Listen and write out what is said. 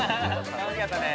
楽しかったね。